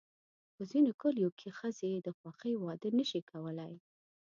په ځینو کلیو کې ښځې د خوښې واده نه شي کولی.